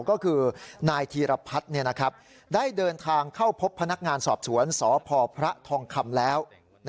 ก็คือนายธีรพัฒน์ได้เดินทางเข้าพบพนักงานสอบสวนสพพระทองคำแล้ว